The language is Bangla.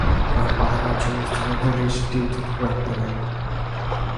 আর পাহারার জন্য স্থানীয় পুলিশ ডিউটিতে রাখবে না।